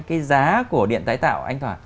cái giá của điện tái tạo anh toàn